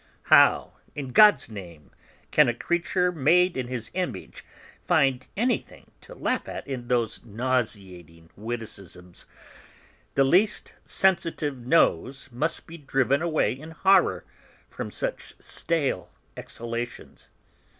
"How, in God's name, can a creature made in His image find anything to laugh at in those nauseating witticisms? The least sensitive nose must be driven away in horror from such stale exhalations.